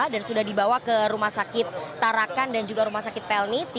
dan sudah dibawa ke rumah sakit tarakan dan juga rumah sakit pelni